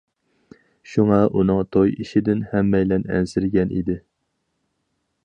شۇڭا ئۇنىڭ توي ئىشىدىن ھەممەيلەن ئەنسىرىگەن ئىدى.